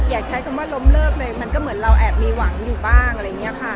อยากใช้คำว่าล้มเลิกเลยมันก็เหมือนเราแอบมีหวังอยู่บ้างอะไรอย่างนี้ค่ะ